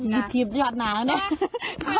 มีตีบเย็ดหนาเหอะเนี่ย